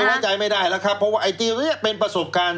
ต้องไปไว้ใจไม่ได้แล้วครับเพราะไอตีเป็นประสบการณ์